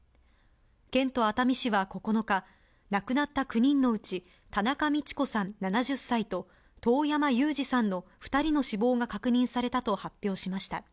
県と熱海市は９日、亡くなった９人のうち、田中路子さん７０歳と、トオヤマ・ユウジさんの２人の死亡が確認されたと発表しました。